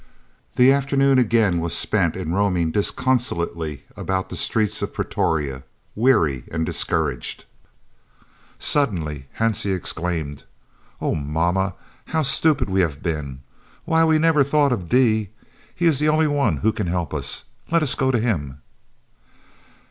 The afternoon again was spent in roaming disconsolately about the streets of Pretoria, weary and discouraged. Suddenly Hansie exclaimed: "Oh mamma, how stupid we have been! Why, we never thought of D. He is the only one who can help us. Let us go to him."